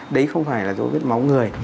đấy không phải là dấu vết máu người